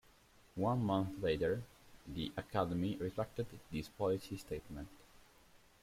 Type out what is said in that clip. One month later, the academy retracted this policy statement.